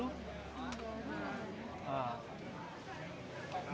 untuk sembilan puluh kali